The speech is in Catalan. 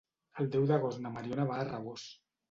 El deu d'agost na Mariona va a Rabós.